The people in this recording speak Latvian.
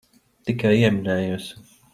Tikai ieminējos.